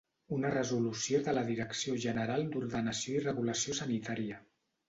Una resolució de la Direcció General d'Ordenació i Regulació Sanitària.